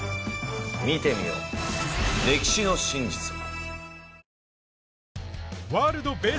見てみよう歴史の真実を。